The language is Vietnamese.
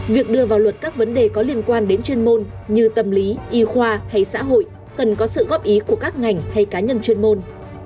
việc đưa vào luật các vấn đề có liên quan đến chuyên môn như tâm lý y khoa hay xã hội cần có sự góp ý của các ngành hay cá nhân chuyên môn